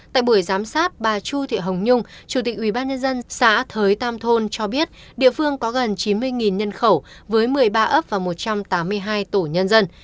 tại buổi giám sát bà chu thị hồng nhung chủ tịch ubnd xã thới tam thôn cho biết địa phương có gần chín mươi nhân khẩu với một mươi ba ấp và một trăm tám mươi hai tổ nhân dân